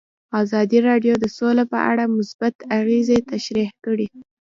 ازادي راډیو د سوله په اړه مثبت اغېزې تشریح کړي.